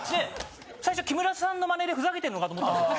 最初木村さんのマネでふざけてるのかと思ったんすよ。